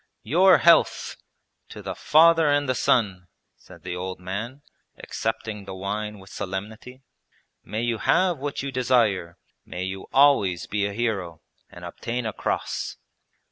'Your health! To the Father and the Son!' said the old man, accepting the wine with solemnity. 'May you have what you desire, may you always be a hero, and obtain a cross.'